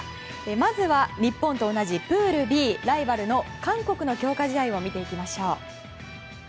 まずは、日本と同じプールＢライバルの韓国の強化試合を見ていきましょう。